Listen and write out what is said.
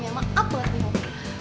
ya maaf buat ini om